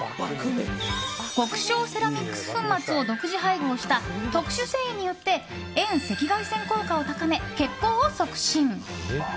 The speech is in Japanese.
極小セラミックス粉末を独自配合した特殊繊維によって遠赤外線効果を高め血行を促進。